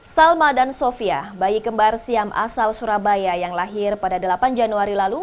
salma dan sofia bayi kembar siam asal surabaya yang lahir pada delapan januari lalu